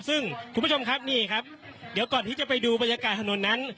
ซึ่งคุณผู้ชมครับนี่ครับเดี๋ยวก่อนที่จะไปดูบรรยากาศถนนนั้น